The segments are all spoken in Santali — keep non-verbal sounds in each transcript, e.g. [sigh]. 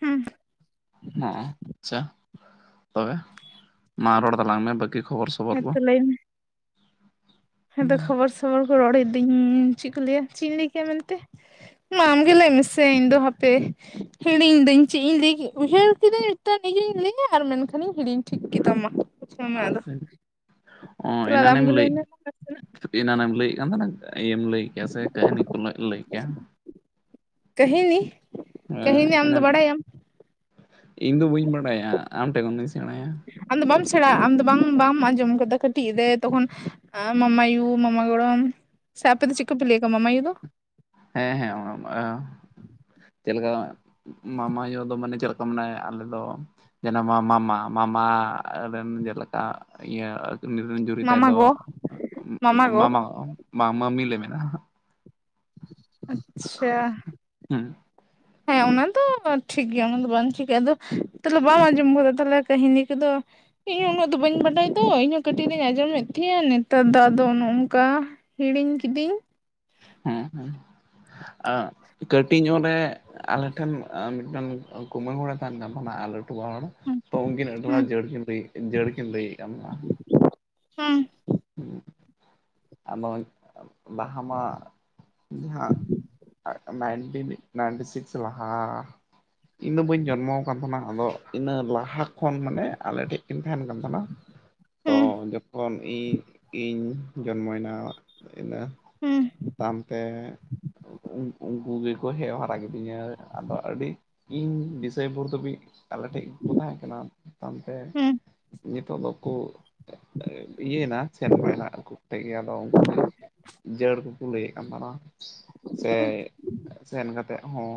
ᱦᱩᱸ᱾ ᱦᱚᱸᱜᱚ ᱟᱪᱪᱷᱟ ᱛᱚᱵᱮ ᱢᱟ ᱨᱚᱲ ᱛᱟᱞᱟᱝ ᱢᱮ ᱵᱟᱠᱤ ᱠᱷᱚᱵᱚᱨ ᱥᱚᱵᱚᱨ ᱦᱮ ᱠᱚ ᱛᱚ ᱞᱟᱹᱭ ᱢᱮ ᱦᱮᱸᱛᱚ ᱠᱷᱚᱵᱚᱨ ᱥᱚᱵᱚᱨ ᱠᱚ ᱨᱚᱲ ᱮᱫᱟᱹᱧ᱾ ᱪᱮᱫ ᱠᱚ ᱞᱟᱹᱭᱟ? ᱪᱮᱫ ᱤᱧ ᱞᱟᱹᱭ ᱠᱮᱫ-ᱟ ᱢᱮᱱᱛᱮ? ᱢᱟ ᱟᱢ ᱜᱮ ᱞᱟᱹᱭ ᱢᱮᱥᱮ ᱤᱧ ᱫᱚ ᱦᱟᱯᱮ ᱦᱤᱲᱤᱧ ᱫᱟᱹᱧ ᱪᱮᱫ ᱤᱧ ᱞᱟᱹᱭ ᱩᱭᱦᱟᱹᱨ ᱠᱤᱫᱟᱹᱧ ᱢᱤᱫᱴᱟᱝ ᱤᱭᱟᱹᱧ ᱞᱟᱹᱭᱟ ᱟᱨ ᱢᱮᱱᱠᱷᱟᱱᱤᱧ ᱦᱤᱲᱤᱧ ᱴᱷᱤᱠ ᱠᱮᱫᱟ ᱢᱟ ᱵᱩᱡᱷᱟᱹᱣ ᱢᱮ ᱟᱫᱚ ᱟᱪᱪᱷᱟ ᱚ ᱛᱟᱦᱞᱮ ᱟᱢ ᱮᱱᱟᱱᱮᱢ ᱜᱮ ᱞᱟᱹᱭ ᱢᱮ ᱱᱟᱥᱮᱱᱟᱜ ᱞᱟᱹᱭᱮᱫᱼᱟ ᱮᱱᱟᱱ ᱮᱢ ᱞᱟᱹᱭ ᱠᱟᱱ ᱛᱟᱦᱮᱸ ᱮᱢ ᱞᱟᱹᱭ ᱠᱮᱭᱟ ᱥᱮ ᱠᱟᱹᱦᱱᱤ ᱠᱚ ᱞᱟᱹᱭ ᱠᱮᱭᱟ ᱠᱟᱹᱦᱱᱤ ᱠᱟᱹᱦᱱᱤ ᱟᱢ ᱫᱚ ᱮᱱᱟᱱ ᱵᱟᱰᱟᱭᱟᱢ? ᱤᱧ ᱫᱚ ᱵᱟᱹᱧ ᱵᱟᱲᱟᱭᱟ ᱟᱢ ᱴᱷᱮᱡ ᱠᱷᱚᱱ ᱜᱮ ᱟᱢᱫᱚ ᱵᱟᱢ ᱥᱮᱬᱟ ᱟᱢ ᱫᱚ ᱵᱟᱝ ᱵᱟᱢ ᱟᱸᱡᱚᱢ ᱠᱟᱫᱟ ᱠᱟᱹᱴᱤᱡ ᱨᱮ ᱛᱚᱠᱷᱚᱱ ᱢᱟᱢᱟᱭᱩ ᱢᱟᱢᱟᱜᱚᱲᱚᱢ ᱥᱮ ᱟᱯᱮ ᱪᱮᱫ ᱠᱚ ᱯᱮ ᱞᱟᱹᱭ ᱟᱠᱚᱣᱟ ᱢᱟᱢᱟᱭᱩ ᱫᱚ? ᱦᱮᱸ ᱦᱮᱸ [unintelligible] ᱪᱮᱫ ᱞᱮᱠᱟ ᱢᱟᱢᱟᱭ ᱟᱭᱳ ᱫᱚ ᱢᱟᱱᱮ ᱪᱮᱫ ᱞᱮᱠᱟ ᱢᱮᱱᱟᱭᱟ ᱟᱞᱮ ᱫᱚ ᱡᱮᱱᱚ ᱢᱟ ᱢᱟᱢᱟ ᱢᱟᱢᱟ ᱨᱮᱱ ᱡᱮᱞᱮᱠᱟ ᱤᱭᱟᱹ ᱩᱱᱤᱨ ᱨᱮᱱ ᱡᱩᱨᱤ ᱛᱟᱭ ᱢᱟᱢᱟ ᱫᱚ ᱜᱚ ᱢᱟᱢᱟ, ᱢᱟᱢᱤ ᱞᱮ ᱢᱮᱱᱟ ᱟᱪᱪᱷᱟ ᱦᱩᱸ ᱦᱮᱸ ᱚᱱᱟ ᱫᱚ ᱴᱷᱤᱠ ᱜᱮᱭᱟ ᱚᱱᱟ ᱫᱚ ᱵᱟᱝ ᱪᱤᱠᱟᱹᱜ-ᱟ, ᱟᱫᱚ ᱛᱟᱦᱚᱞᱮ ᱵᱟᱢ ᱟᱸᱡᱚᱢ ᱜᱚᱫᱟ ᱛᱟᱦᱚᱞᱮ ᱠᱟᱹᱦᱤᱱᱤ ᱠᱚᱫᱚ ᱤᱧᱦᱚ ᱩᱱᱟᱹᱜ ᱫᱚ ᱵᱟᱹᱧ ᱵᱟᱰᱟᱭ ᱫᱚ ᱤᱧᱦᱚᱸ ᱠᱟᱹᱴᱤᱡ ᱨᱤᱧ ᱟᱸᱡᱚᱢᱮᱫ ᱛᱟᱦᱮᱸᱱᱟ ᱱᱮᱛᱟᱨ ᱫᱚ ᱟᱫᱚ ᱱᱚᱝᱠᱟ ᱦᱤᱲᱤᱧ ᱠᱤᱫᱤᱧ ᱦᱩᱸ ᱦᱩᱸ ᱟ ᱠᱟᱹᱴᱤᱡ ᱧᱚᱜ ᱨᱮ ᱟᱞᱮᱴᱷᱮᱱ ᱢᱤᱫᱴᱮᱱ ᱠᱩᱢᱟᱹᱝ ᱦᱚᱲᱮ ᱛᱟᱦᱮᱱ ᱠᱟᱱ ᱛᱟᱦᱮᱱᱟ ᱦᱩᱸ [unintelligible] ᱛᱚ ᱩᱱᱠᱤᱱ ᱦᱩᱸ [unintelligible] ᱡᱟᱹᱲ ᱠᱤᱱ ᱞᱟᱹᱭᱮᱫᱼᱟ ᱦᱩᱸ ᱦᱩᱸ, ᱟᱫᱚ ᱵᱟᱦᱟ ᱢᱟ ᱡᱟᱦᱟᱸ ᱱᱟᱭᱤᱱᱴᱤᱱ ᱱᱟᱭᱤᱱᱴᱤ ᱥᱤᱠᱥ ᱞᱟᱦᱟ ᱤᱧᱫᱚ ᱵᱟᱹᱧ ᱡᱚᱱᱢᱚ ᱟᱠᱟᱱ ᱛᱟᱦᱮᱱᱟ ᱟᱫᱚ ᱤᱱᱟᱹ ᱞᱟᱦᱟ ᱠᱷᱚᱱ ᱢᱟᱱᱮ ᱟᱞᱮᱴᱷᱮᱱ ᱠᱤᱱ ᱛᱟᱦᱮᱱ ᱠᱟᱱ ᱛᱟᱦᱮᱱᱟ ᱛᱚ ᱦᱩᱸ ᱡᱚᱠᱷᱚᱱ ᱤᱧ ᱤᱧ ᱡᱚᱱᱢᱚᱭᱮᱱᱟ ᱤᱱᱟᱹ ᱦᱩᱸ ᱛᱟᱭᱱᱚᱢ ᱛᱮ ᱩᱱ ᱩᱱᱠᱩ ᱜᱮᱠᱚ ᱦᱮᱡ ᱦᱟᱨᱟ ᱠᱤᱫᱤᱧᱟ ᱟᱫᱚ ᱟᱹᱰᱤ ᱤᱧ ᱫᱤᱥᱟᱹᱭ ᱵᱷᱳᱨ ᱫᱷᱟᱹᱵᱤᱡ ᱟᱞᱮ ᱴᱷᱮᱡ ᱜᱮᱠᱚ ᱛᱟᱦᱮᱸ ᱠᱟᱱᱟ ᱛᱟᱭᱚᱢᱛᱮ ᱦᱩᱸ ᱱᱤᱛᱚᱜ ᱫᱚᱠᱚ ᱤᱭᱟᱹᱭᱱᱟ, ᱥᱮᱱ ᱵᱟᱭᱱᱟ [unintelligible] ᱠᱟᱛᱮ ᱜᱮ ᱟᱫᱚ ᱩᱱᱠᱩᱜᱮ- ᱡᱟᱹᱲ ᱠᱚ ᱞᱟᱹᱭ ᱮᱫ ᱠᱟᱱ ᱛᱟᱦᱮᱱᱟ ᱥᱮ ᱦᱩᱸ ᱥᱮᱱ ᱠᱟᱛᱮᱫ ᱦᱚᱸ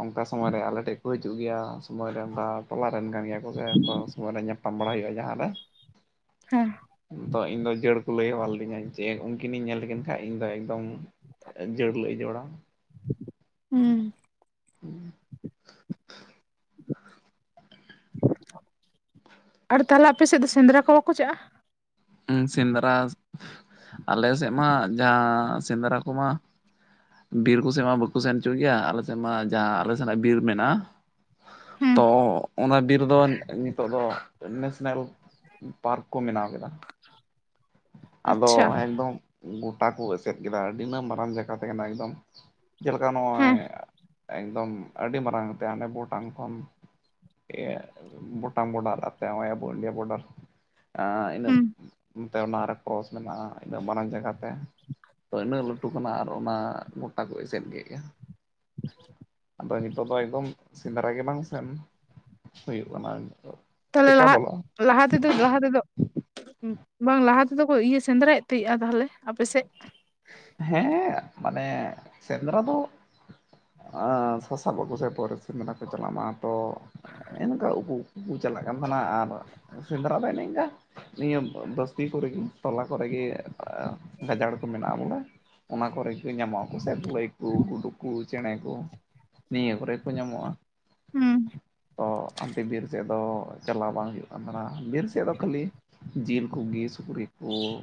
ᱚᱱᱠᱟ ᱥᱚᱢᱳᱭ ᱨᱮ ᱟᱞᱮᱴᱷᱮᱡ ᱠᱚ ᱦᱤᱡᱩᱜ ᱜᱮᱭᱟ ᱥᱳᱢᱳᱭ ᱨᱮ ᱚᱱᱠᱟ ᱴᱚᱞᱟ ᱨᱮᱱ ᱠᱟᱱ ᱜᱮᱭᱟ ᱠᱚ ᱟ ᱠᱚᱜᱮ ᱚ ᱥᱚᱢᱚᱭ ᱨᱮ ᱧᱟᱯᱟᱢ ᱵᱟᱲᱟ ᱦᱩᱭᱩᱜᱼᱟ ᱡᱟᱦᱟᱸ ᱨᱮ ᱦᱮᱸ ᱛᱚ ᱤᱧᱫᱚ ᱡᱟᱹᱲ ᱠᱚ ᱞᱟᱹᱭ ᱦᱮᱣᱟ ᱞᱤᱫᱤᱧᱟ ᱡᱮ ᱩᱱᱠᱤᱱᱤᱧ ᱧᱮᱞ ᱞᱮᱠᱤᱱ ᱠᱷᱟᱱ ᱤᱧᱫᱚ ᱮᱠᱫᱚᱢ ᱡᱟᱹᱲ ᱞᱮ ᱡᱚᱲᱟ ᱾ ᱦᱩᱸ ᱟᱨ ᱛᱟᱞᱦᱮ ᱟᱯᱮ ᱥᱮᱫ ᱫᱚ ᱥᱮᱸᱫᱽᱨᱟ ᱠᱚ ᱵᱟᱠᱚ ᱪᱟᱜᱼᱟ? ᱥᱮᱸᱫᱽᱨᱟ ᱟᱞᱮ ᱥᱮᱫ ᱢᱟ ᱡᱟᱦᱟᱸ ᱥᱮᱸᱫᱽᱨᱟ ᱠᱚᱢᱟ ᱵᱤᱨ ᱠᱚᱥᱮᱫ ᱢᱟ ᱵᱟᱠᱚ ᱥᱮᱱ ᱦᱚᱪᱚ ᱜᱮᱭᱟ ᱟᱞᱮᱥᱮᱫ ᱢᱟ ᱡᱟᱦᱟᱸ ᱟᱞᱮ ᱥᱮᱱᱟᱜ ᱵᱤᱨ ᱢᱮᱱᱟᱜᱼᱟ᱾ ᱦᱩᱸ ᱛᱚ ᱚᱱᱟ ᱵᱤᱨ ᱫᱚ ᱱᱤᱛᱳᱜ ᱫᱚ ᱱᱮᱥᱱᱮᱞ ᱯᱟᱨᱠ ᱠᱚ ᱵᱮᱱᱟᱣ ᱠᱮᱫᱟ᱾ ᱟᱫᱚ ᱟᱪᱪᱷᱟ ᱮᱠᱫᱚᱢ ᱜᱚᱴᱟ ᱠᱚ ᱮᱥᱮᱫ ᱠᱮᱫᱟ ᱟᱹᱰᱤᱱᱟᱹ ᱢᱟᱨᱟᱝ ᱡᱟᱭᱜᱟ ᱛᱟᱦᱮᱸ ᱠᱟᱱᱟ ᱮᱠᱫᱚᱢ ᱡᱮᱞᱮᱠᱟ ᱱᱚᱜᱼᱚᱭ ᱦᱮᱸ ᱮᱠᱫᱚᱢ ᱟᱹᱰᱤ ᱢᱟᱨᱟᱝ ᱛᱮ ᱟᱰᱮ ᱵᱷᱴᱟᱝ ᱠᱷᱚᱱ ᱦᱩᱸ [unintelligible] ᱚᱱᱟᱨᱮ ᱠᱚᱥ ᱢᱮᱱᱟᱜᱼᱟ ᱤᱱᱟᱹᱜ ᱢᱟᱨᱟᱝ ᱡᱟᱭᱛᱮ ᱯᱟᱱᱟ ᱞᱟᱹᱴᱩ ᱠᱟᱱᱟ ᱟᱨ ᱚᱱᱟ ᱜᱚᱴᱟ ᱠᱚ ᱮᱥᱮᱫ ᱠᱮᱫ ᱜᱮᱭᱟ᱾ ᱟᱫᱚ ᱱᱤᱛᱚᱜ ᱫᱚ ᱮᱠᱫᱽᱢ ᱥᱮᱸᱫᱽᱨᱟ ᱜᱮ ᱵᱟᱝ ᱥᱮᱱ ᱦᱩᱭᱩᱜ ᱠᱟᱱᱟ᱾ ᱛᱟᱦᱚᱞᱮ ᱪᱮᱠᱟ ᱞᱟᱦᱟ ᱵᱚᱞᱚᱜᱼᱟ ᱞᱟᱦᱟ ᱛᱮᱫᱚ ᱞᱟᱦᱟ ᱛᱮᱫᱚ ᱵᱟᱝ ᱞᱟᱦᱟ ᱛᱮᱫᱚ ᱠᱚ ᱤᱭᱟᱹ ᱥᱮᱸᱫᱽᱨᱟᱭᱮᱫ ᱛᱟᱦᱮᱸᱜᱼᱟ ᱛᱟᱦᱚᱞᱮ ᱟᱯᱮ ᱥᱮᱫ ᱦᱮᱸ ᱢᱟᱱᱮ ᱥᱮᱸᱫᱽᱨᱟ ᱫᱚ ᱥᱟᱥᱟᱯ ᱟᱠᱚ ᱥᱮ ᱯᱚᱨ ᱥᱮᱸᱫᱽᱨᱟ ᱠᱚ ᱪᱟᱞᱟᱜ ᱢᱟ ᱛᱚ ᱚᱱᱠᱟ ᱩᱠᱩ ᱠᱚ ᱪᱟᱞᱟᱜ ᱠᱟᱱ ᱛᱟᱦᱮᱱᱟ ᱟᱨ ᱥᱮᱸᱫᱽᱨᱟ ᱫᱚ ᱮᱱᱮ ᱚᱱᱠᱟ ᱱᱤᱭᱟᱹ ᱵᱟᱥᱛᱤ ᱠᱚᱨᱮ ᱴᱚᱞᱟ ᱠᱚᱨᱮᱜᱮ ᱜᱟᱡᱟᱲ ᱠᱚ ᱢᱮᱱᱟᱜᱼᱟ ᱵᱚᱞᱮ ᱚᱱᱟ ᱠᱚᱨᱮ ᱜᱮ ᱧᱟᱢᱚᱜᱼᱟᱠᱚ ᱥᱮ ᱠᱩᱞᱟᱹᱭ ᱠᱚ ᱜᱩᱰᱩ ᱠᱚ ᱪᱮᱬᱮ ᱠᱚ ᱱᱤᱭᱟᱹ ᱠᱚᱨᱮ ᱠᱚ ᱧᱟᱢᱚᱜᱼᱟ ᱦᱩᱸ ᱛᱚ ᱦᱟᱱᱛᱮ ᱵᱤᱨ ᱥᱮᱫ ᱫᱚ ᱪᱟᱞᱟᱣ ᱵᱟᱝ ᱦᱩᱭᱩᱜ ᱠᱟᱱ ᱛᱟᱦᱮᱱᱟ ᱵᱤᱨ ᱥᱮᱫ ᱫᱚ ᱠᱷᱟᱹᱞᱤ ᱡᱤᱞ ᱠᱩ, ᱵᱤᱨ ᱥᱤᱠᱨᱤ ᱠᱚ,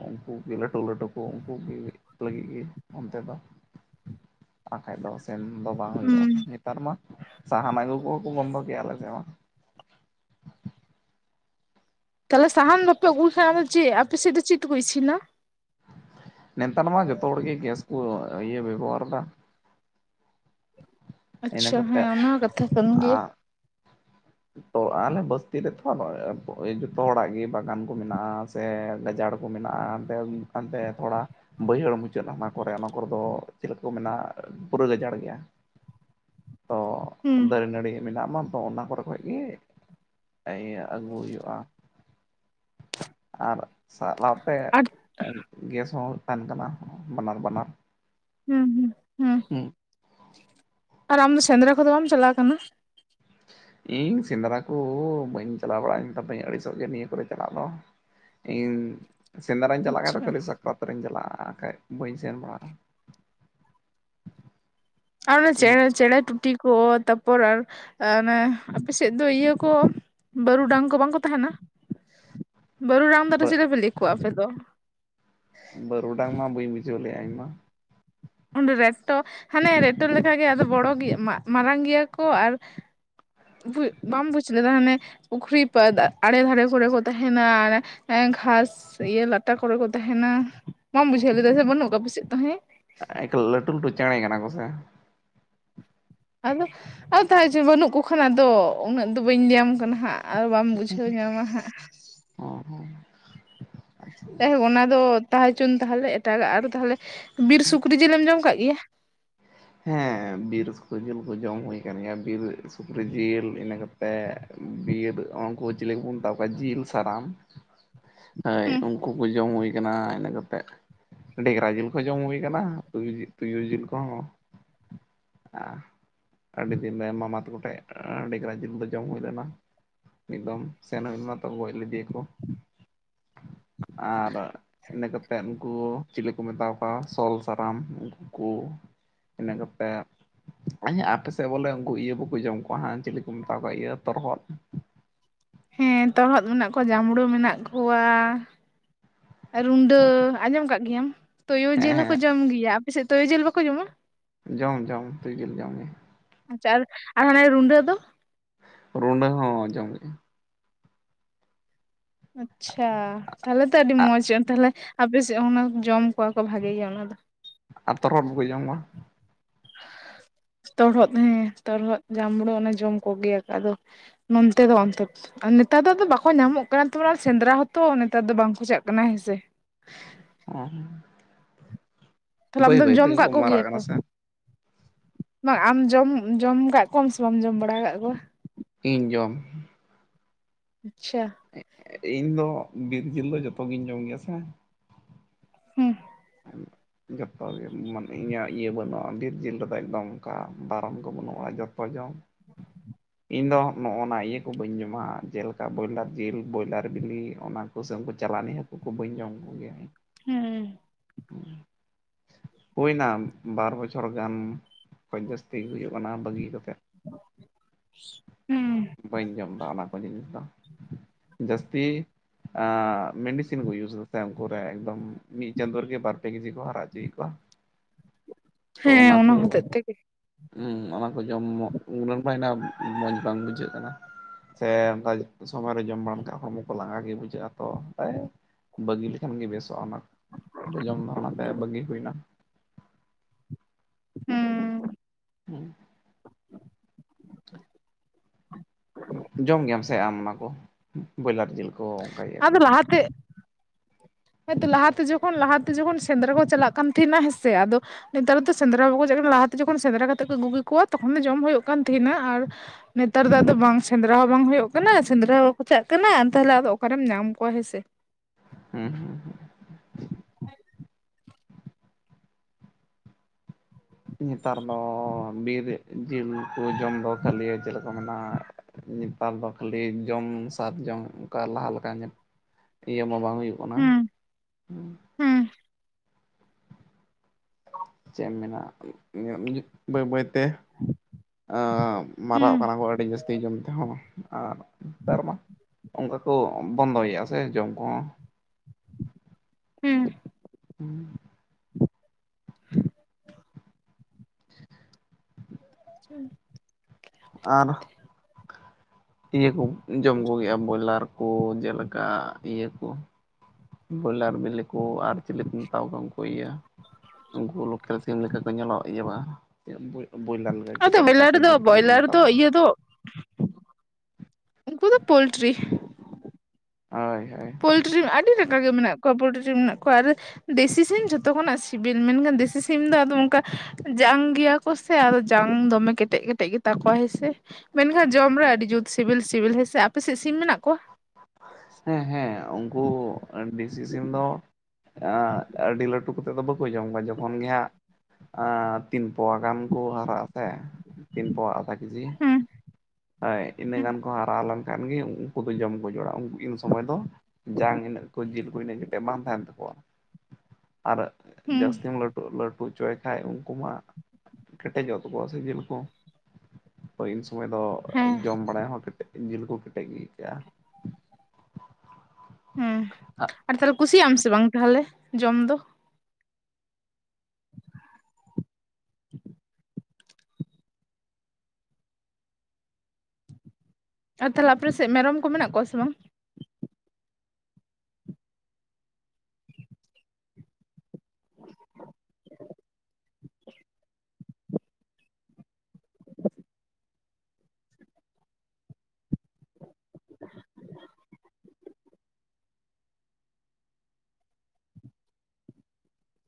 ᱩᱱᱠᱩ ᱞᱟᱹᱴᱩ ᱞᱟᱹᱴᱩ ᱠᱚ ᱩᱱᱠᱩ ᱜᱮ ᱞᱟᱹᱜᱤᱫ ᱜᱮ ᱚᱱᱛᱮ ᱫᱚ ᱵᱟᱠᱷᱟᱡ ᱫᱚ ᱥᱮᱱ ᱫᱚ ᱵᱟᱝ ᱦᱩᱸ ᱦᱩᱭᱩᱜᱼᱟ᱾ ᱱᱮᱛᱟᱨ ᱢᱟ ᱥᱟᱦᱟᱱ ᱟᱹᱜᱩ ᱠᱚ ᱵᱚᱱᱫᱚ ᱠᱮᱫᱟ ᱟᱞᱮ ᱥᱮᱫ ᱢᱟ᱾ ᱛᱟᱦᱚᱞᱮ ᱥᱟᱦᱟᱱ ᱵᱟᱯᱮ ᱟᱹᱜᱩᱭ ᱞᱮ ᱠᱷᱟᱱᱫᱚ ᱪᱮᱫ ᱟᱯᱮᱥᱮᱫ ᱫᱚ ᱪᱮᱫ ᱛᱮ ᱠᱚ ᱤᱥᱤᱱᱟ? ᱱᱮᱛᱟᱨ ᱢᱟ ᱡᱚᱛᱚ ᱦᱚᱲ ᱜᱮ ᱜᱮᱥ ᱠᱚ ᱤᱭᱟᱹ ᱵᱮᱵᱚᱦᱟᱨ ᱮᱫᱟ᱾ ᱤᱱᱟ ᱟᱪᱪᱷᱟ ᱠᱟᱛᱮ ᱦᱮᱸ ᱚᱱᱟ ᱦᱚᱸ ᱠᱟᱛᱷᱟ ᱠᱟᱱ ᱜᱮᱭᱟ ᱟ- ᱛᱚ ᱟᱞᱮ ᱵᱚᱥᱛᱤ ᱨᱮ ᱛᱚ ᱡᱚᱛᱚ ᱦᱚᱲᱟᱜ ᱜᱮ ᱵᱟᱜᱟᱱ ᱠᱚ ᱢᱮᱱᱟᱜᱼᱟ᱾ ᱥᱮ ᱜᱟᱡᱟᱲ ᱠᱚ ᱢᱮᱱᱟᱜᱼᱟ ᱦᱟᱱᱛᱮ ᱦᱟᱱᱛᱮ ᱛᱷᱚᱲᱟ ᱵᱟᱹᱭᱦᱟᱹᱲ ᱢᱩᱪᱟᱹᱫ ᱚᱱᱟ ᱠᱚᱨᱮ ᱚᱱᱟ ᱠᱚᱨᱮ ᱫᱚ ᱪᱮᱫ ᱠᱚ ᱢᱮᱱᱟ ᱯᱩᱨᱟᱹ ᱜᱟᱡᱟᱲ ᱜᱮᱭᱟ᱾ ᱛᱚ ᱦᱩᱸ ᱫᱟᱨᱮ ᱱᱟᱹᱲᱤ ᱢᱮᱱᱟᱜ ᱢᱟ ᱛᱚ ᱚᱱᱟ ᱠᱚᱨᱮ ᱠᱷᱚᱡ ᱜᱮ ᱟᱹᱜᱩ ᱦᱩᱭᱩᱜᱼᱟ ᱟᱨ ᱥᱟᱞᱟᱛᱮ ᱟᱨ ᱜᱮᱥ ᱦᱚᱸ ᱛᱟᱦᱮᱱ ᱠᱟᱱᱟ ᱵᱟᱱᱟᱨ ᱵᱟᱱᱟᱨ ᱦᱩᱸ ᱦᱩᱸ ᱦᱩᱸ ᱦᱩᱸ ᱟᱨ ᱟᱢ ᱫᱚ ᱥᱮᱸᱫᱽᱨᱟ ᱠᱚᱫᱚ ᱵᱟᱢ ᱪᱟᱞᱟᱣ ᱟᱠᱟᱱᱟ? ᱤᱧ ᱥᱮᱸᱫᱽᱨᱟ ᱠᱚ ᱵᱟᱹᱧ ᱪᱟᱞᱟᱣ ᱵᱟᱲᱟ ᱜᱮᱭᱟᱹᱧ ᱟᱹᱲᱤᱥᱚᱜ ᱜᱮ ᱱᱤᱭᱟᱹ ᱠᱚᱨᱮ ᱪᱟᱞᱟᱜ ᱫᱚ᱾ ᱤᱧ ᱥᱮᱫᱽᱨᱟᱧ ᱪᱟᱞᱟᱜ ᱟᱪᱪᱷᱟ ᱠᱷᱟᱱ [unintelligible] ᱨᱟᱛ ᱨᱤᱧ ᱪᱟᱞᱟᱜᱼᱟ ᱵᱟᱠᱷᱟᱡ ᱵᱟᱹᱧ ᱥᱮᱱ ᱵᱟᱲᱟᱜᱼᱟ ᱟᱱᱟ ᱪᱮᱬᱮ ᱪᱮᱬᱮ ᱴᱩᱴᱤ ᱠᱚ ᱛᱟ ᱛᱟᱨᱯᱚᱨ ᱟᱨ ᱟᱯᱮ ᱥᱮᱫ ᱫᱚ ᱤᱭᱟᱹ ᱠᱚ ᱵᱟᱹᱨᱩᱰᱟᱝ ᱠᱚ ᱵᱟᱝᱠᱚ ᱛᱟᱦᱮᱱᱟ? [inaudible] ᱵᱟᱹᱨᱩᱰᱟᱝ ᱫᱚ ᱵᱟᱹᱜ ᱪᱮᱞᱮ ᱯᱮ ᱞᱟᱹᱭ ᱠᱚᱣᱟ ᱟᱯᱮ ᱫᱚ? ᱵᱟᱹᱨᱩᱰᱟᱝ ᱢᱟ ᱵᱟᱹᱧ ᱵᱩᱡᱷᱟᱹᱣ ᱞᱮᱜᱼᱟ ᱤᱧᱢᱟ ᱨᱮᱴᱚ ᱦᱟᱱᱮ ᱨᱮᱴᱚ ᱞᱮᱠᱟᱜᱮ ᱟᱫᱚ ᱵᱚᱲᱚ ᱢᱟᱨᱟᱝ ᱜᱮᱭᱟ ᱠᱚ ᱟᱨ ᱵᱟᱢ ᱵᱩᱡᱽ ᱞᱮᱫᱟ ᱦᱟᱱᱮ ᱯᱩᱠᱷᱨᱤ ᱵᱟᱹᱫ ᱟᱲᱮ ᱫᱷᱟᱨᱮ ᱠᱚᱨᱮ ᱠᱚ ᱛᱟᱦᱮᱱᱟ ᱜᱷᱟᱥ ᱥᱮ ᱤᱭᱟᱹ ᱞᱟᱴᱟ ᱠᱚᱨᱮ ᱠᱚ ᱛᱟᱦᱮᱱᱟ ᱵᱟᱢ ᱵᱩᱡᱷᱟᱹᱣ ᱞᱮᱫᱟ ᱥᱮ ᱵᱟᱹᱱᱩᱜ ᱠᱚᱣᱟ ᱟᱯᱮ ᱥᱮᱫ ᱛᱟᱦᱮᱸᱫ ᱮᱠ ᱞᱟᱹᱴᱩ ᱞᱟᱹᱴᱩ ᱪᱮᱬᱮ ᱠᱟᱱᱟ ᱠᱚᱥᱮ ᱟᱫᱚ ᱟᱫᱚ ᱛᱟᱦᱪᱚ ᱵᱟᱹᱱᱩᱜ ᱠᱚ ᱠᱷᱟᱱ ᱟᱫᱚ ᱩᱱᱟᱹᱜ ᱫᱚ ᱵᱟᱹᱧ ᱧᱟᱢ ᱠᱟᱱᱟ ᱦᱟᱸᱜ ᱟᱨ ᱵᱟᱢ ᱵᱩᱡᱷᱟᱹᱣ ᱧᱟᱢᱟ ᱦᱟᱸᱜ ᱚ ᱦᱚᱸ ᱟᱪᱪᱷᱟ ᱡᱟᱭᱦᱚᱠ ᱚᱱᱟ ᱫᱚ ᱛᱟᱦᱮᱸ ᱦᱚᱪᱚᱱ ᱛᱟᱦᱚᱞᱮ ᱮᱴᱟᱜᱟᱜ ᱟᱨ ᱛᱟᱦᱞᱮ ᱵᱤᱨ ᱥᱩᱠᱨᱤ ᱡᱤᱞᱮᱢ ᱡᱚᱢ ᱠᱟᱜ ᱜᱮᱭᱟ ᱦᱮᱸ ᱵᱤᱨ ᱥᱩᱠᱨᱤ ᱡᱤᱞ ᱠᱚ ᱡᱚᱢ ᱦᱩᱭ ᱠᱟᱱᱟᱱ ᱜᱮᱭᱟ ᱵᱤᱨ ᱥᱩᱠᱨᱤ ᱡᱤᱞ ᱤᱱᱟᱹ ᱠᱟᱛᱮᱫ ᱵᱤᱨ ᱩᱱᱠᱩ ᱪᱤᱞᱤ ᱠᱚᱵᱚᱱ ᱢᱮᱛᱟᱣ ᱠᱚᱣᱟ ᱡᱤᱞ ᱥᱟᱨᱟᱢ ᱦᱚᱭ ᱦᱩᱸ ᱩᱱ ᱦᱟᱹᱠᱩ ᱠᱚ ᱡᱚᱢ ᱦᱩᱭ ᱟᱠᱟᱱᱟ ᱤᱱᱟᱹ ᱠᱟᱛᱮᱫ ᱰᱮᱜᱽᱨᱟ ᱡᱤᱞ ᱠᱚ ᱡᱚᱢ ᱦᱩᱭ ᱟᱠᱟᱱᱟ ᱛᱩᱭᱩ ᱡᱤᱞ ᱠᱚ ᱠᱚ ᱟ ᱟᱹᱰᱤ ᱫᱤᱱ ᱢᱟᱢᱟ ᱛᱟᱠᱚ ᱴᱷᱮᱱ ᱟᱹᱰᱤ ᱰᱟᱝᱨᱟ ᱡᱤᱞ ᱫᱚ ᱡᱚᱢ ᱦᱩᱭ ᱞᱮᱱᱟ᱾ ᱢᱤᱫ ᱫᱚᱢ ᱥᱮᱱᱚᱜ ᱦᱩᱭ ᱛᱚ ᱜᱚᱡ ᱞᱮᱫᱮᱭᱟ ᱠᱚ ᱟᱨ ᱤᱱᱟᱹ ᱠᱟᱛᱮᱫ ᱩᱱᱠᱩ ᱪᱤᱞᱤ ᱠᱚ ᱢᱮᱛᱟ ᱠᱚᱣᱟ ᱥᱚᱞ ᱥᱟᱨᱟᱢ ᱩᱱᱠᱩ ᱠᱚ ᱤᱱᱟ ᱜᱟᱯᱮ ᱟᱪ ᱟᱯᱮ ᱥᱮᱫ ᱵᱚᱞᱮ ᱩᱱᱠᱩ ᱤᱭᱟᱹ ᱵᱟᱠᱚ ᱡᱚᱢ ᱠᱚᱣᱟ ᱦᱮ ᱪᱤᱞᱤ ᱠᱚ ᱢᱮᱛᱟ ᱠᱚᱣᱟ ᱤᱭᱟᱹ ᱛᱚᱨᱦᱚᱫ ᱦᱮᱸ ᱛᱚᱨᱚᱫ ᱢᱮᱱᱟᱜ ᱠᱚᱣᱟ ᱡᱟᱸᱢᱲᱩ ᱢᱮᱱᱟᱜ ᱠᱚᱣᱟ ᱟᱨ ᱨᱩᱰᱟᱹ ᱟᱸᱡᱚᱢ ᱟᱠᱟᱫ ᱜᱮᱭᱟᱢ, ᱛᱚᱭᱳ ᱦᱮᱸ ᱡᱤᱞ ᱦᱚᱸᱠᱚ ᱦᱮᱸ ᱡᱚᱢ ᱜᱮᱭᱟ, ᱟᱯᱮᱥᱮᱫ ᱛᱚᱭᱩ ᱡᱤᱞ ᱵᱟᱠᱚ ᱡᱚᱢᱟ? ᱡᱚᱢ ᱡᱚᱢ ᱛᱩᱭᱩ ᱡᱮᱞ ᱡᱚᱢ ᱜᱮ ᱟᱪᱪᱷᱟ ᱟᱨ ᱟᱨ ᱦᱟᱱᱮ ᱨᱩᱱᱰᱟᱹ ᱫᱚ ᱨᱩᱰᱟᱹ ᱦᱚᱸ ᱡᱚᱢ ᱜᱮ ᱟᱪᱪᱷᱟ ᱛᱟᱦᱚᱞᱮ ᱛᱚ ᱟᱹᱰᱤ ᱢᱚᱸᱡᱽ ᱛᱟᱦᱞᱮ ᱟᱯᱮᱥᱮᱫ ᱚᱱᱟ ᱡᱚᱢ ᱠᱚᱣᱟ ᱠᱚ ᱵᱷᱟᱜᱤ ᱜᱮ ᱚᱱᱟ ᱫᱚ ᱟ ᱛᱚᱨᱦᱚᱫ ᱠᱚ ᱡᱚᱢᱟ [inaudible] ᱛᱚᱲᱦᱚᱫ ᱦᱮᱸ ᱛᱚᱲᱦᱚᱫ ᱡᱟᱢᱵᱩᱲᱟᱹ ᱚᱱᱮ ᱡᱚᱢ ᱠᱚᱜᱮᱭᱟ ᱟᱫᱚ ᱱᱚᱱᱛᱮ ᱫᱚ ᱚᱱᱛᱮ ᱱᱮᱛᱟᱨ ᱫᱚ ᱫᱚ ᱵᱟᱠᱚ ᱧᱟᱢᱚᱜ ᱠᱟᱱᱟ ᱛᱚᱲᱟ ᱥᱮᱸᱫᱽᱨᱟ ᱦᱚᱸᱛᱚ ᱱᱮᱛᱟᱨ ᱫᱚ ᱵᱟᱝ ᱠᱷ ᱪᱟᱜ ᱠᱟᱱᱟ ᱦᱮᱸᱥᱮ [unintelligible] ᱛᱟᱦᱚᱞᱮ ᱟᱢᱫᱚᱢ ᱵᱟᱹᱭ ᱡᱚᱢ ᱛᱮᱜᱮ ᱠᱟᱫ ᱠᱚ ᱢᱟᱨᱟᱜ ᱠᱚᱜᱮᱭᱟ ᱠᱟᱱᱟ ᱛᱚ? ᱥᱮ ᱵᱟᱝ ᱟᱢ ᱡᱚᱢ ᱡᱚᱢ ᱟᱠᱟᱫ ᱠᱚᱣᱟᱢ ᱥᱮ ᱵᱟᱢ ᱡᱚᱢ ᱵᱟᱲᱟ ᱟᱠᱟᱫ ᱠᱚᱣᱟ ᱤᱧ ᱡᱚᱢ ᱟᱪᱪᱷᱟ ᱤᱧ ᱫᱚ ᱵᱤᱨ ᱡᱤᱞ ᱫᱚ ᱡᱚᱛᱚᱜᱤᱧ ᱡᱚᱢ ᱜᱮᱭᱟ ᱥᱮ ᱦᱮᱸ ᱦᱮᱸ ᱡᱚᱛᱚᱜᱮ ᱢᱟᱱᱮ ᱤᱧᱟᱹᱜ ᱤᱭᱟᱹ ᱵᱟᱹᱱᱩᱜᱼᱟ ᱵᱤᱨ ᱡᱤᱞ ᱨᱮᱫᱚ ᱮᱠᱫᱚᱢ ᱚᱱᱠᱟ ᱫᱟᱨᱟᱢ ᱠᱚ ᱵᱟᱹᱱᱩᱜᱼᱟ ᱡᱚᱛᱚ ᱡᱚᱢ [inaudible] ᱤᱧ ᱫᱚ ᱱᱚᱜᱼᱚᱱᱟ ᱤᱭᱟᱹ ᱠᱚ ᱵᱟᱹᱧ ᱡᱚᱢᱟ ᱡᱮᱞᱮᱠᱟ ᱵᱚᱭᱞᱟᱨ ᱡᱤᱞ ᱵᱚᱭᱞᱟᱨ ᱵᱤᱞᱤ ᱚᱱᱟ ᱠᱚᱥᱟᱹᱢ ᱠᱚ ᱪᱟᱞᱟᱣ ᱱᱤᱦᱟᱹᱛᱤ ᱩᱱ ᱠᱚ ᱵᱟᱹᱧ ᱧᱚᱢ ᱠᱚᱜᱮᱭᱟ ᱦᱩᱸ ᱦᱮᱸ ᱦᱩᱭᱱᱟ ᱵᱟᱨ ᱵᱚᱪᱷᱚᱨ ᱜᱟᱱ ᱠᱷ ᱡᱟᱹᱥᱛᱤ ᱦᱩᱭᱩᱜ ᱠᱟᱱᱟ ᱵᱟᱹᱜᱤ ᱠᱟᱛᱮᱫ ᱦᱩᱸ ᱵᱟᱹᱧ ᱡᱚᱢᱫᱟ ᱚᱱᱟ ᱠᱚ ᱡᱤᱱᱤᱥ ᱫᱚ ᱡᱟᱹᱥᱛᱤ ᱢᱮᱰᱤᱥᱤᱱ ᱠᱚ ᱤᱭᱩᱡᱽ ᱮᱫᱟ ᱥᱮ ᱩᱱᱠᱩ ᱨᱮ ᱮᱠᱫᱚᱢ ᱢᱤᱫ ᱪᱟᱸᱫᱳ ᱨᱮᱜᱮ ᱵᱟᱨ ᱯᱮ ᱠᱮᱡᱤ ᱠᱚ ᱦᱟᱨᱟ ᱚᱪᱚᱭᱮᱫ ᱠᱚᱣᱟ, ᱛᱚ ᱦᱮᱸ ᱚᱱᱟ ᱠᱚ ᱦᱚᱛᱮᱡ ᱛᱮᱜᱮ ᱦᱩᱸ ᱚᱱᱟ ᱠᱚ ᱡᱚᱢ ᱩᱱ ᱨᱮᱱ ᱢᱟ ᱟᱭ ᱢᱚᱸᱡᱽ ᱵᱟᱝ ᱵᱩᱡᱷᱟᱹᱜ ᱠᱟᱱᱟ ᱥᱮ ᱚᱱᱠᱟ ᱥᱚᱢᱚᱭ ᱨᱮ ᱡᱚᱢ ᱵᱟᱲᱟ ᱞᱮᱠᱟᱱᱡ ᱦᱚᱲᱢᱚ ᱠᱚ ᱞᱟᱸᱜᱟ ᱜᱮ ᱵᱩᱡᱷᱟᱹᱜ ᱟ ᱛᱚ ᱛᱟᱭ ᱵᱟᱹᱜᱤ ᱞᱮᱠᱷᱟᱱ ᱜᱮ ᱵᱮᱥᱚᱜᱼᱟ ᱚᱱᱟ ᱡᱚᱢᱫᱟᱱᱟ ᱢᱟᱱᱟ ᱛᱮ ᱵᱟᱹᱜᱤ ᱦᱩᱭᱱᱟ ᱦᱩᱸ ᱦᱮᱸ [inaudible] ᱡᱚᱢ ᱜᱮᱭᱟᱢ ᱥᱮ ᱟᱢ ᱚᱱᱟ ᱠᱚ ᱵᱚᱭᱞᱟᱨ ᱡᱤᱞ ᱠᱚ ᱚᱱᱠᱟ ᱜᱮᱭᱟ ᱠᱚ, ᱟᱛᱷᱮᱜ ᱦᱮᱸᱛᱚ ᱞᱟᱦᱟᱛᱮ ᱡᱚᱠᱷᱚᱱ ᱞᱟᱦᱟᱛᱮ ᱡᱚᱠᱷᱚᱱ ᱥᱮᱸᱫᱽᱨᱟ ᱠᱚ ᱪᱟᱞᱟᱜ ᱠᱟᱱ ᱛᱟᱦᱮᱱᱟ ᱦᱮᱸᱥᱮ ᱟᱫᱚ, ᱱᱮᱛᱟᱨ ᱫᱚ ᱥᱮᱸᱫᱽᱨᱟ ᱵᱟᱠᱚ ᱪᱟᱞᱟᱜ ᱠᱟᱱᱟ ᱞᱟᱦᱟᱛᱮ ᱡᱚᱠᱷᱚᱱ ᱥᱮᱸᱫᱽᱨᱟ ᱠᱟᱛᱮᱫ ᱠᱚ ᱟᱹᱜᱩ ᱠᱮᱠᱚᱣᱟ ᱛᱚᱠᱷᱚᱱ ᱫᱚ ᱡᱚᱢ ᱦᱩᱭᱩᱜ ᱠᱟᱱ ᱛᱟᱦᱮᱱᱟ ᱟᱨ ᱱᱮᱛᱟᱨ ᱫᱚ ᱟᱫᱚ ᱵᱟᱝ ᱥᱮᱸᱫᱽᱨᱟ ᱦᱚᱸ ᱵᱟᱝ ᱦᱩᱭᱩᱜ ᱠᱟᱱᱟ ᱥᱮᱸᱫᱽᱨᱟ ᱦᱚᱸ ᱵᱟᱠᱚ ᱪᱟᱜ ᱠᱟᱱᱟᱱ ᱛᱟᱦᱚᱞᱮ ᱟᱫᱚ ᱚᱠᱟᱨᱮᱢ ᱧᱟᱢ ᱠᱚᱣᱟ ᱦᱮᱸ ᱥᱮ ᱾ ᱦᱩᱸ ᱦᱩᱸ ᱦᱩᱸ [inaudible] ᱧᱮᱛᱟᱨ ᱫᱚ ᱵᱤᱨ ᱮ ᱡᱤᱞ ᱠᱚ ᱡᱚᱢ ᱫᱚ ᱠᱷᱟᱹᱞᱤᱭᱟ ᱪᱮᱞᱮᱠᱚ ᱢᱮᱱᱟ ᱧᱮᱛᱟᱨ ᱫᱚ ᱠᱷᱟᱹᱞᱤ ᱡᱚᱢ ᱥᱟᱛᱡᱚᱝ ᱚᱱᱠᱟ ᱞᱟᱦᱟ ᱞᱮᱠᱟ ᱧᱮᱞ ᱤᱭᱟᱹ ᱢᱟ ᱵᱟᱝ ᱦᱩᱭᱩᱜ ᱠᱟᱱᱟ ᱦᱮᱸ ᱪᱮᱫ ᱮᱢ ᱢᱮᱱᱟ ᱵᱟᱹᱭ ᱵᱟᱹᱭᱛᱮ ᱢᱟᱨᱟᱜ ᱦᱩᱸ ᱠᱟᱱᱟ ᱠᱚ ᱟᱹᱰᱤ ᱡᱟᱹᱥᱛᱤ ᱡᱚᱢ ᱛᱮᱦᱚᱸ ᱟᱨ, ᱱᱮᱛᱟᱨ ᱢᱟ ᱚᱱᱠᱟ ᱠᱚ ᱵᱚᱱᱫᱚ ᱭᱮᱜᱼᱟ ᱥᱮ ᱡᱚᱢ ᱠᱚᱦᱚᱸ ᱦᱮᱸ [inaudible] [inaudible] [inaudible] ᱟᱨ ᱤᱭᱟᱹ ᱠᱚ ᱡᱚᱢ ᱠᱚᱜᱮᱭᱟ ᱵᱚᱭᱞᱟᱨ ᱠᱚ ᱡᱮᱞᱮᱠᱟ ᱤᱭᱟᱹ ᱠᱚ ᱵᱚᱭᱞᱟᱨ ᱵᱤᱞᱤ ᱠᱚ ᱟᱨ ᱪᱤᱞᱤ ᱠᱚ ᱢᱮᱛᱟᱣ ᱠᱚᱣᱟ ᱩᱱᱠᱩ ᱤᱭᱟᱹ ᱩᱱᱠᱩ ᱞᱳᱠᱮᱞ ᱥᱤᱢ ᱞᱮᱠᱟ ᱠᱚ ᱧᱮᱞᱚᱜ ᱤᱭᱟᱹᱼᱟ ᱵᱚᱭᱞᱟᱨ ᱞᱮᱠᱟ, ᱟᱫᱚ ᱠᱮᱴᱮᱡ ᱜᱮᱛᱟ ᱢᱮᱞᱟᱨ ᱠᱚᱣᱟ ᱫᱚ ᱡᱤᱞ ᱪᱤᱞᱤ ᱠᱚ ᱵᱚᱭᱞᱟᱨ ᱢᱮᱛᱟ ᱫᱚ ᱠᱚᱣᱟ ᱤᱭᱟᱹ ᱫᱚ ᱩᱱᱠᱩ ᱫᱚ ᱯᱳᱞᱴᱨᱤ, ᱦᱳᱭ ᱦᱳᱭ ᱯᱳᱞᱴᱨᱤᱢ ᱟᱹᱰᱤ ᱞᱮᱠᱟᱜᱮ ᱢᱮᱱᱟᱜ ᱠᱚᱣᱟ ᱯᱳᱞᱴᱨᱤ ᱥᱤᱢ ᱢᱮᱱᱟᱜ ᱠᱚᱣᱟ ᱟᱨ ᱫᱮᱥᱤ ᱥᱤᱢ ᱡᱷᱚᱛᱚ ᱠᱷᱚᱱᱟᱜ ᱥᱤᱵᱤᱞ ᱢᱮᱱᱠᱷᱟᱱ ᱫᱮᱥᱤ ᱥᱤᱢ ᱫᱚ ᱟᱫᱚ ᱚᱱᱠᱟ ᱡᱟᱝ ᱜᱮᱭᱟ ᱠᱚ ᱥᱮ ᱟᱫᱚ ᱡᱟᱝ ᱫᱚᱢᱮ ᱠᱮᱴᱮᱡ ᱠᱮᱴᱮᱡ ᱜᱮᱛᱟ ᱠᱚᱣᱟ ᱦᱮᱸ ᱥᱮ, ᱢᱮᱱᱠᱷᱟᱱ ᱡᱚᱢ ᱨᱮ ᱟᱹᱰᱤ ᱡᱩᱛ ᱥᱤᱵᱤᱞ ᱥᱤᱵᱤᱞ ᱦᱮᱸᱥᱮ ᱟᱯᱮᱥᱮᱫ ᱥᱤᱢ ᱢᱮᱱᱟᱜ ᱠᱚᱣᱟ ᱦᱮᱸ ᱦᱮᱸ ᱩᱱᱠᱩ ᱰᱮᱥᱤ ᱥᱤᱢ ᱫᱚ ᱟᱹᱰᱤ ᱞᱟᱹᱴᱩ ᱠᱟᱛᱮᱫ ᱫᱚ ᱵᱟᱠᱚ ᱡᱚᱢ ᱠᱚᱣᱟ ᱡᱚᱠᱷᱚᱱ ᱜᱮ ᱦᱟᱸᱜ, ᱟᱸᱻ ᱛᱤᱱ ᱯᱚᱣᱟ ᱜᱟᱱ ᱠᱚ ᱦᱟᱨᱟᱜᱼᱟ ᱥᱮ ᱛᱤᱱ ᱯᱚᱣᱟ ᱟᱫᱷᱟ ᱠᱮᱡᱤ ᱦᱩᱸ ᱦᱳᱭ ᱤᱱᱟᱹᱜ ᱜᱟᱱ ᱠᱚ ᱦᱟᱨᱟ ᱞᱮᱱᱠᱷᱟᱱ ᱜᱮ ᱩᱱᱠᱩ ᱫᱚ ᱡᱚᱢ ᱠᱚ ᱡᱚᱲᱟᱜ ᱩᱱ ᱥᱚᱢᱚᱭ ᱫᱚ ᱡᱟᱝ ᱤᱱᱟᱹᱜ ᱠᱚ ᱡᱤᱞ ᱠᱚ ᱤᱱᱟᱹᱜ ᱠᱟᱛᱮ ᱵᱟᱝ ᱛᱟᱦᱮᱱ ᱛᱟᱠᱚᱣᱟ, ᱟᱨ ᱦᱩᱸ ᱡᱟᱹᱥᱛᱤ ᱞᱟᱴᱩ ᱞᱟᱹᱴᱩ ᱦᱚᱪᱚᱭ ᱠᱷᱟᱡ ᱩᱱᱠᱩ ᱢᱟ ᱠᱮᱴᱮᱡᱚᱜ ᱛᱟᱠᱚᱣᱟ ᱥᱮ ᱡᱤᱞ ᱠᱚ ᱦᱚᱭ ᱩᱱ ᱥᱩᱚᱢᱟᱹᱭ ᱫᱚ ᱦᱮᱸ ᱡᱚᱢ ᱵᱟᱲᱟᱭ ᱦᱚᱸ ᱠᱮᱴᱮᱡ ᱡᱤᱞ ᱠᱚ ᱠᱮᱴᱮᱡ ᱜᱮ, [inaudible] ᱦᱮᱸ ᱟᱨ ᱛᱟᱦᱚᱞᱮ ᱠᱩᱥᱤᱭᱟᱜ ᱟᱢ ᱥᱮ ᱵᱟᱝ ᱛᱟᱦᱚᱞᱮ ᱡᱚᱢ ᱫᱚ ᱦ ᱟᱨ ᱛᱟᱦᱚᱞᱮ ᱟᱯᱮ ᱥᱮᱫ ᱢᱮᱨᱚᱢ ᱠᱚ ᱢᱮᱱᱟᱜ ᱠᱚᱣᱟ ᱥᱮ ᱵᱟᱝ?